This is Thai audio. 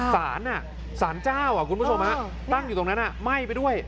สารสารเจ้าคุณผู้ชมตั้งอยู่ตรงนั้นไหม้ไปด้วย